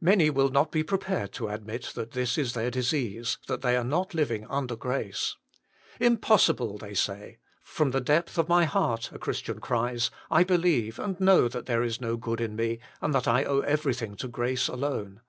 Many will not be prepared to admit that this is their disease, that they are not living " under grace." Impossible, they say. " From the depth of my heart," a Christian cries, " I believe and know that there is no good in me, and that I owe everything to grace alone."